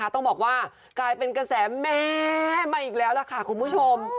ต้องบอกว่ากลายเป็นกระแสแม่มาอีกแล้วล่ะค่ะคุณผู้ชม